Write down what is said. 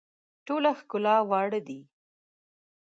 ټوله ښکلا واړه دي.